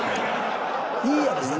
いいやろ。